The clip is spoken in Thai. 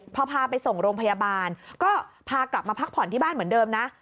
พอพาไปส่งโรงพยาบาลก็พากลับมาพักผ่อนที่บ้านเหมือนเดิมนะ